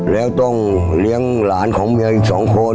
แล้วต้องเลี้ยงหลานของเมียอีก๒คน